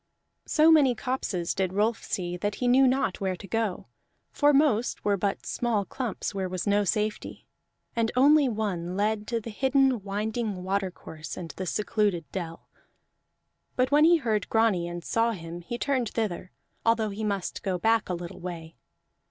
So many copses did Rolf see that he knew not where to go, for most were but small clumps, where was no safety; and only one led to the hidden winding watercourse and the secluded dell. But when he heard Grani and saw him, he turned thither, although he must go back a little way.